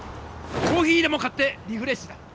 コーヒーでも買ってリフレッシュだ！